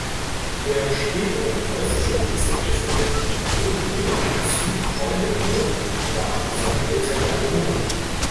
Der spätere preußische Ministerpräsident Botho zu Eulenburg war sein älterer Bruder.